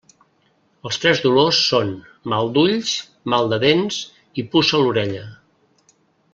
Els tres dolors són: mal d'ulls, mal de dents i puça a l'orella.